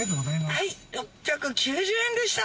はい６９０円でした。